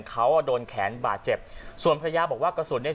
เขาอ่ะโดนแขนบาดเจ็บส่วนภรรยาบอกว่ากระสุนเนี้ย